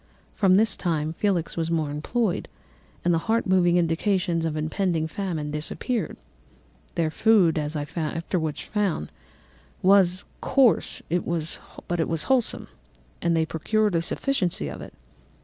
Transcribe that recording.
From this time Felix was more employed, and the heart moving indications of impending famine disappeared. Their food, as I afterwards found, was coarse, but it was wholesome; and they procured a sufficiency of it.